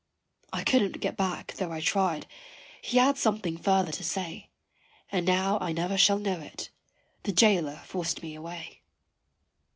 I couldn't get back tho' I tried, he had something further to say, And now I never shall know it. The jailer forced me away.